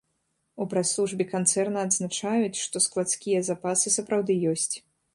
У прэс-службе канцэрна адзначаюць, што складскія запасы сапраўды ёсць.